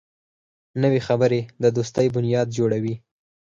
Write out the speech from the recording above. نوې خبرې د دوستۍ بنیاد جوړوي